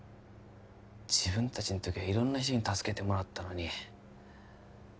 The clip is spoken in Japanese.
自分達の時は色んな人に助けてもらったのに